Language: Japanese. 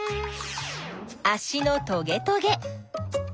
あしのトゲトゲ。